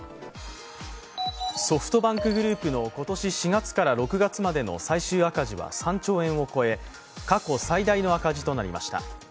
ソフトバンクグループの今年４月から６月までの最終赤字は３兆円を超え過去最大の赤字となりました。